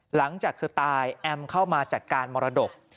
หลังจากเธอตายแอมเข้ามาจัดการมรดก